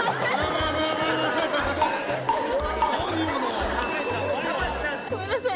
今の。ごめんなさい。